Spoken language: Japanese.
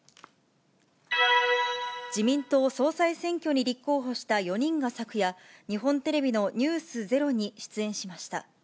自民党総裁選挙に立候補した４人が昨夜、日本テレビのｎｅｗｓｚｅｒｏに出演しました。